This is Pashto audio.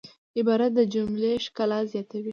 عبارت د جملې ښکلا زیاتوي.